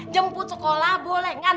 jemput sekolah boleh